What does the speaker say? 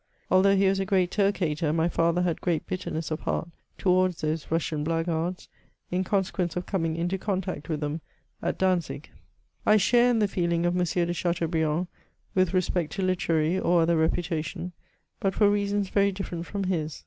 Although he was a great Turk hater, my father had great bitterness of heart towards those Russian blackguards, in consequence of coming into contact with them at Dantzic. I share in the feeling of M. de Chateaubriand with respect to literary or other reputation, but for reasons very different from his.